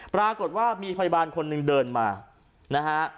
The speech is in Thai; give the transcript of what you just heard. ปรากฏว่ามีพยาบาลคนหนึ่งเดินมานะฮะ